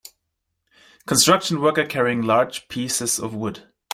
Construction worker carrying large pieces of wood